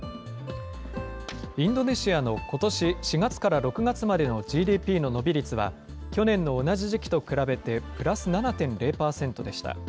インドネシアのことし４月から６月までのＧＤＰの伸び率は、去年の同じ時期と比べてプラス７．０％でした。